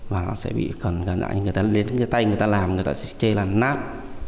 và nó sẽ bị gần gần như người ta lên tay người ta làm người ta sẽ chê là nát